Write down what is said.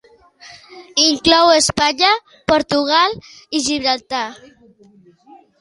Inclou, Espanya, Portugal i Gibraltar.